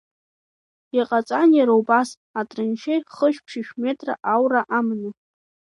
Иҟаҵан иара убас, атраншеи хышә-ԥшьышә метра аура аманы.